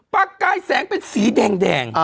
ปากกายแสงเป็นสีแดง